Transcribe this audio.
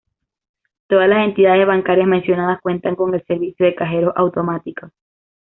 Todas las entidades bancaria mencionadas cuentan con el servicio de cajeros automáticos.